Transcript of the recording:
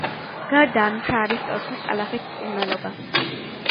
გარდა ამისა, არის ტორფის ტალახით მკურნალობა.